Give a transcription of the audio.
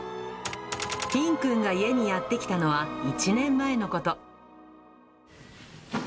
フィンくんが家にやって来たのは１年前のこと。